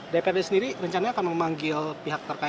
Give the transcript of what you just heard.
dprd sendiri rencananya akan memanggil pihak terbaik